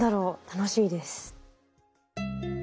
楽しみです。